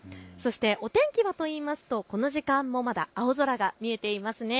お天気はといいますとこの時間もまだ青空が見えています。